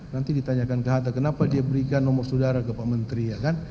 nanti ditanyakan ke hada kenapa dia berikan nomor saudara ke pak menteri ya kan